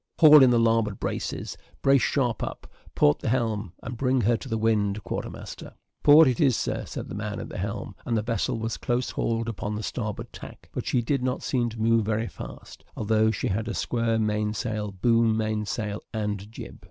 "Haul in the larboard braces brace sharp up port the helm, and bring her to the wind, quarter master." "Port, it is, Sir," said the man at the helm, and the vessel was close hauled upon the starboard tack; but she did not seem to move very fast, although, she had a square mainsail, boom mainsail, and jib.